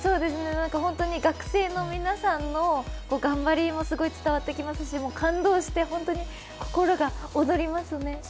本当に学生の皆さんの頑張りもすごい伝わってきますし感動して本当に心が躍りますね。